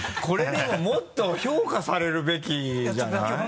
これでももっと評価されるべきじゃない？